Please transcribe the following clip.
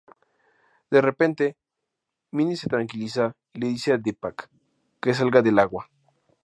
De repente, Mini se tranquiliza y le dice a Deepak que salga del agua.